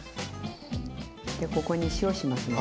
でここに塩しますね。